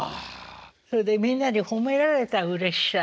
それでみんなに褒められたうれしさ。